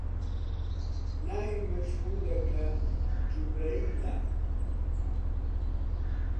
ناوی مەشهوورە، کە جوبرەئیلە